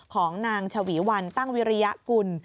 ของนางฉวีวันตั้งวิริยกุล